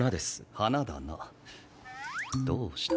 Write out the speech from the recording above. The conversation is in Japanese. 花だなどうした？